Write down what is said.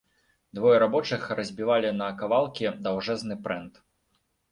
Двое рабочых разбівалі на кавалкі даўжэзны прэнт.